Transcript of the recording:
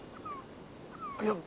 いや。